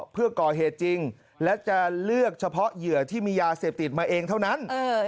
เพื่อก่อเหตุจริงและจะเลือกเฉพาะเหยื่อที่มียาเสพติดมาเองเท่านั้น